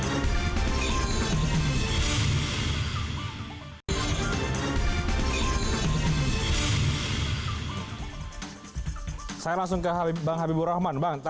maksudnya dalam pertemuan antar tokoh pasti membahas juga soal narasi narasi kebangsaan secara makro dan juga kebangsaan